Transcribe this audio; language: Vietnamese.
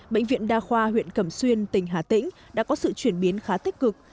bệnh viện đa khoa huyện cẩm xuyên tỉnh hà tĩnh đã có sự chuyển biến khá tích cực